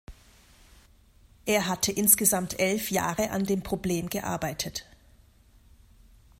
Er hatte insgesamt elf Jahre an dem Problem gearbeitet.